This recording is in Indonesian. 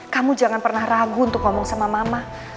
kamu jangan pernah ragu untuk ngomong sama mama